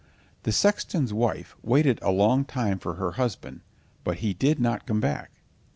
The sexton's wife waited a long time for her husband, but he did not come back.